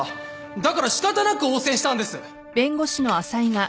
だから仕方なく応戦したんです。